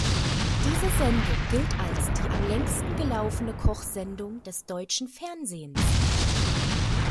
Diese Sendung gilt als die am längsten gelaufene Kochsendung des deutschen Fernsehens.